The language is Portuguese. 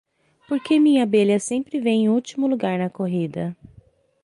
Por que minha abelha sempre vem em último lugar na corrida?